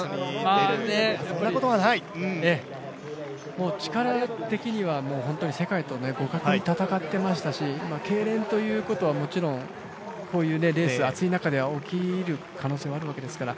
もう力的には本当に世界と互角に戦ってましたしけいれんということはもちろんこういうレース、暑い中では起きる可能性はあるわけですから